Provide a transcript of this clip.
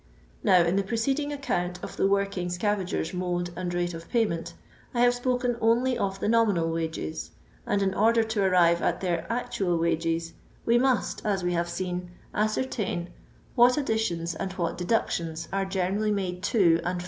Now in the preceding account of the working scavagers' mode and rate of payment I have spoken only of the nominal wages ; and in order to arrive at their actual wages we must, as we have seen, ascertain what additions and what deductions are generally made to and kom this mNDOS J^BOUR AND THE LONDON POOH 219 H :« P4 O m